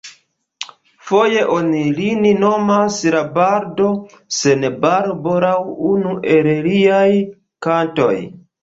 Foje oni lin nomas la "Bardo sen barbo", laŭ unu el liaj kantoj.